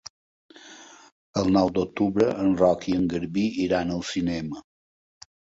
El nou d'octubre en Roc i en Garbí iran al cinema.